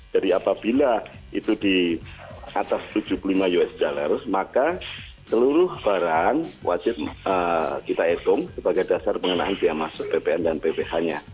jadi apabila itu di atas tujuh puluh lima usd maka seluruh barang wajib kita ekom sebagai dasar pengenalan biaya masuk ppn dan pph nya